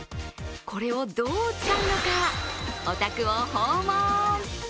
これをどう使うのか、お宅を訪問。